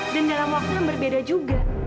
dan dalam waktu yang berbeda juga